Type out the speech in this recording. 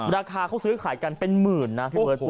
ราคาเขาซื้อขายกันเป็นหมื่นนะ